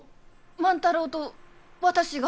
万太郎と私が？